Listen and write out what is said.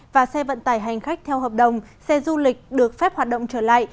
và xe vận tải hành khách theo hợp đồng xe du lịch được phép hoạt động trở lại